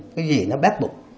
cái gì nó bắt buộc